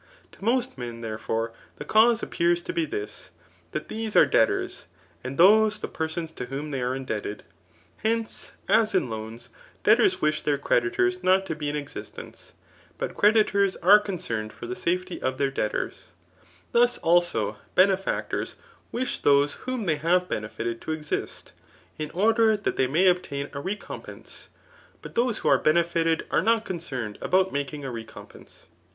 To most men, therefore, the cause appears to be this, that these are debtors, and those the persons to whom they are indebted. Hence, as in loans, debtors wish their creditors not to be in existence, but creditors are con cerned for the safety of their debtors ; thus, also, bene iactors wish those whom they have benefited to exist, in order that they may obtain a recompense ; but those who are benefited, are not concerned about making a recom pense.